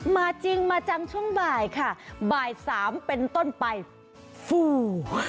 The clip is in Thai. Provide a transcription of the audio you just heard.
มาจริงมาจังช่วงบ่ายค่ะบ่ายสามเป็นต้นไปฟู